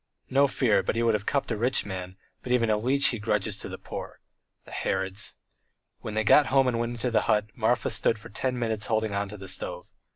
No fear, but he would have cupped a rich man, but even a leech he grudges to the poor. The Herods!" When they got home and went into the hut, Marfa stood for ten minutes holding on to the stove.